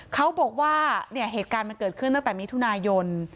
เขาบอกว่าเนี่ยเหตุการณ์มันเกิดขึ้นตั้งแต่มิถุนายน